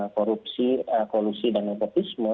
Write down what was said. korupsi kolusi dan ekotisme